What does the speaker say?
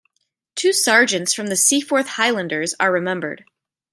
Two sergeants from the Seaforth Highlanders are remembered.